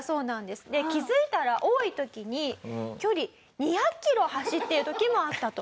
で気づいたら多い時に距離２００キロ走っている時もあったと。